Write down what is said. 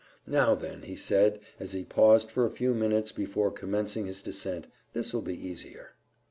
"Now then," he said, as he paused for a few minutes before commencing his descent; "this will be easier."